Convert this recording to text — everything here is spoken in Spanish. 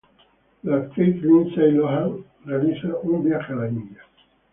La actriz Lindsay Lohan realiza un viaje a India.